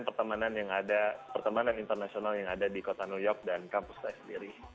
pertemanan yang ada pertemanan internasional yang ada di kota new york dan kampus saya sendiri